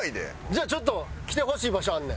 じゃあちょっと来てほしい場所あんねん。